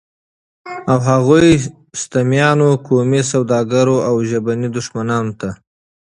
او هغو ستمیانو، قومي سوداګرو او ژبني دښمنانو ته